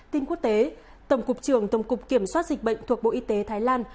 tin quốc tế tổng cục trưởng tổng cục kiểm soát dịch bệnh thuộc bộ y tế thái lan